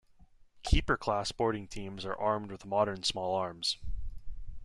Keeper-class boarding teams are armed with modern small arms.